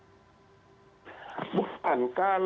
latar belakang partai ataupun terkait dengan personal